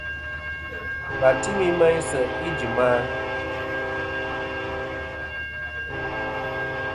Wà timi meyn sèʼ ijìm a?